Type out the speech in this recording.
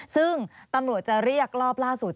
ซึ่งตำรวจจะเรียกรอบล่าสุด